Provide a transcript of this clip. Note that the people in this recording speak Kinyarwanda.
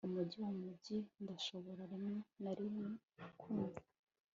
Umujyi wa mujyi ndashobora rimwe na rimwe kumva